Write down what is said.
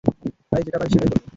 তাই, যেটা পারি সেটাই করব!